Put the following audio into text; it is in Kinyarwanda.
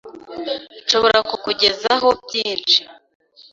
Nshobora kukugezaho byinshi.